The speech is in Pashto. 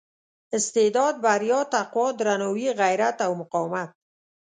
استعداد بریا تقوا درناوي غیرت او مقاومت.